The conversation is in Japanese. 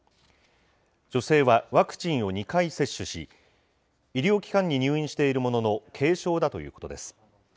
女性はワクチンを２回接種し、医療機関に入院しているものの、軽症だということです。